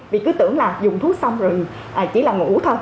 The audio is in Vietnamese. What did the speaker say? vì cứ tưởng là dùng thuốc xong rồi chỉ là ngủ thôi